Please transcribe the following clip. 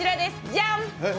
じゃん！